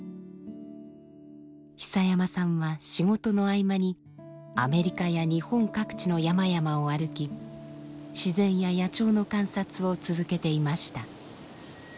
久山さんは仕事の合間にアメリカや日本各地の山々を歩き自然や野鳥の観察を続けていました。